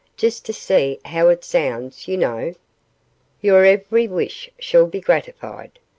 "Just to see how it sounds, you know." "Your every wish shall be gratified.